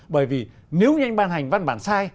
bởi vì nếu như anh ban hành văn bản sai